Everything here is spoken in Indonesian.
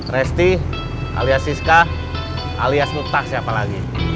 resti alias siska alias mutlak siapa lagi